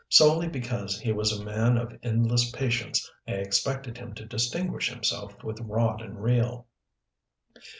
Solely because he was a man of endless patience I expected him to distinguish himself with rod and reel.